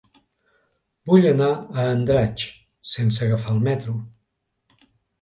Vull anar a Andratx sense agafar el metro.